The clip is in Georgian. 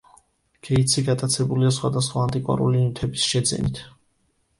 გეიტსი გატაცებულია სხვადასხვა ანტიკვარული ნივთების შეძენით.